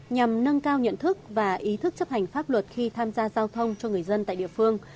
nhằm nâng cao nhận thức và ý thức chấp hành pháp luật khi tham gia giao thông cho người dân tại địa phương